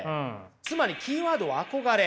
つまりキーワードは「憧れ」。